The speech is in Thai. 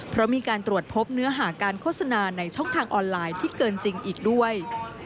เพราะมีการตรวจพบเนื้อหาการโฆษณาในช่องทางออนไลน์ที่เกินจริงอีกด้วย